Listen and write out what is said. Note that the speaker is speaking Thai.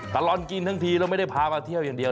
ตลอดกินทั้งทีแล้วไม่ได้พามาเที่ยวอย่างเดียว